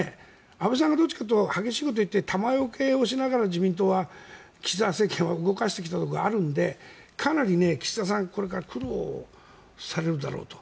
安倍さんは厳しいことを言って弾よけをしながら自民党は岸田政権を動かしてきたところがあるんでかなり岸田さんはこれから苦労されるだろうと。